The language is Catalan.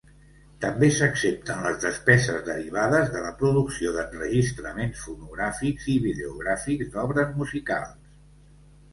També s'accepten les despeses derivades de la producció d'enregistraments fonogràfics i videogràfics d'obres musicals.